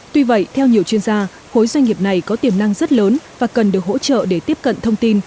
tuy vậy theo nhiều chuyên gia hối doanh nghiệp này có tiềm năng rất lớn và cần được hỗ trợ để tiếp cận thông tin